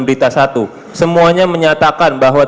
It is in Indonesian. berita satu semuanya menyatakan bahwa